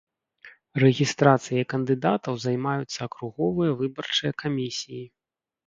Рэгістрацыяй кандыдатаў займаюцца акруговыя выбарчыя камісіі.